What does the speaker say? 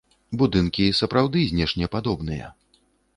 Будынкі сапраўды знешне падобныя.